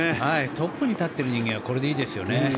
トップに立ってる人間はこれでいいですよね。